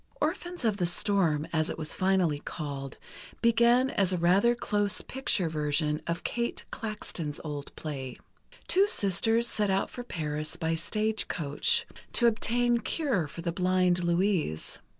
"Orphans of the Storm," as it was finally called, began as a rather close picture version of Kate Klaxton's old play. Two sisters set out for Paris by stage coach, to obtain cure for the blind Louise.